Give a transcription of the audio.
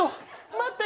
待って！